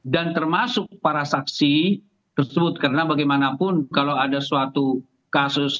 dan termasuk para saksi tersebut karena bagaimanapun kalau ada suatu kasus